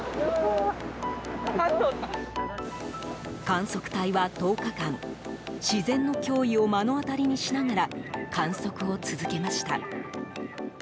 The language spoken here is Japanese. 観測隊は１０日間自然の驚異を目の当たりにしながら観測を続けました。